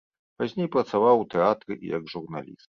Пазней працаваў у тэатры і як журналіст.